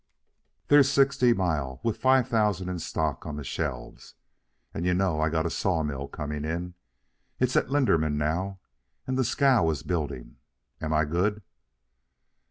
There's Sixty Mile with five thousand in stock on the shelves. And you know I got a sawmill coming in. It's at Linderman now, and the scow is building. Am I good?"